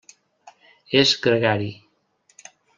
És gregari.